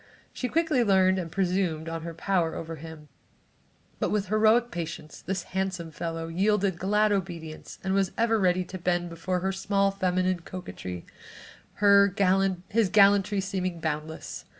She quickly learned and presumed on her power over him but with heroic patience this handsome fellow yielded glad obedience and was ever ready to bend before her small feminine coquetry, his gallantry seeming boundless.